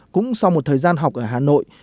cũng sau một thời gian học ở hà nội